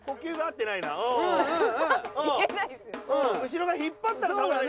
後ろが引っ張ったら倒れる。